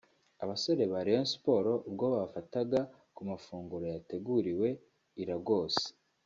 Abasore ba Rayon Sports ubwo bafataga ku mafunguro yateguriwe i Lagos